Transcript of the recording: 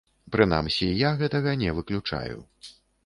Прынамсі, я гэтага не выключаю.